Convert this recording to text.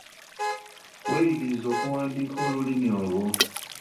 Weeyigirize okuwandiika olulimi olwo.